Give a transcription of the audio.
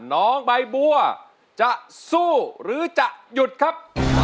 น้องใบบัวจะสู้หรือจะหยุดครับ